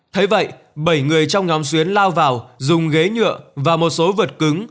thấy vậy bảy người trong nhóm xuyến lao vào dùng ghế nhựa và một số vật cứng